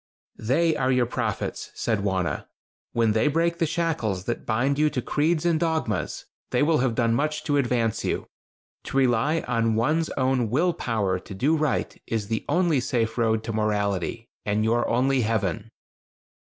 "They are your prophets," said Wauna. "When they break the shackles that bind you to creeds and dogmas, they will have done much to advance you. To rely on one's own will power to do right is the only safe road to morality, and your only heaven."